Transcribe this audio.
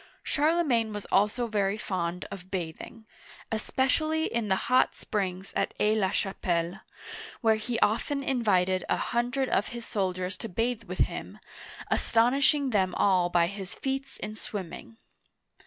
Charlemagne was also very fond of bathing, especially in the hot springs at Aix la Chapelle (sha pel'), where he often invited a hundred of his soldiers to bathe with him, astonishing them all by his feats in swimming.